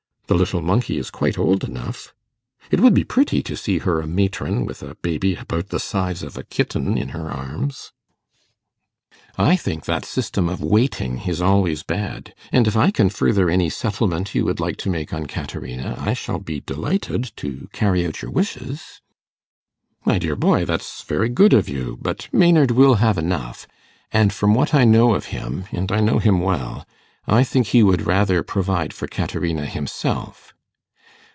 The little monkey is quite old enough. It would be pretty to see her a matron, with a baby about the size of a kitten in her arms.' 'I think that system of waiting is always bad. And if I can further any settlement you would like to make on Caterina, I shall be delighted to carry out your wishes.' 'My dear boy, that's very good of you; but Maynard will have enough; and from what I know of him and I know him well I think he would rather provide for Caterina himself.